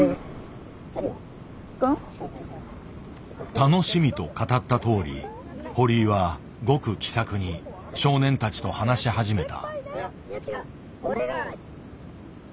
「楽しみ」と語ったとおり堀井はごく気さくに少年たちと話し始めた。